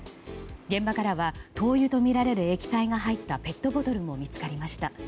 現場からは灯油とみられる液体が入ったペットボトルも見つかりました。